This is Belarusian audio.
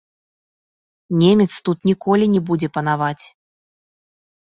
Немец тут ніколі не будзе панаваць.